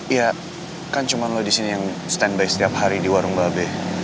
iya kan cuma lo disini yang stand by setiap hari di warung mbak be